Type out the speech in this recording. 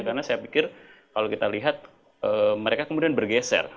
karena saya pikir kalau kita lihat mereka kemudian bergeser